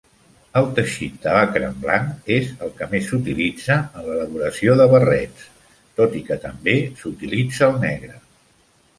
El teixit de Buckram blanc és el que més s'utilitza en l'elaboració de barrets, tot i que també s'utilitza el negre.